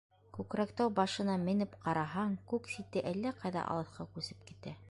Күкрәктау башына менеп ҡараһаң, күк сите әллә ҡайҙа алыҫҡа күсеп китә.